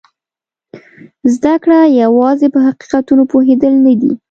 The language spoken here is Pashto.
زده کړه یوازې په حقیقتونو پوهېدل نه دي.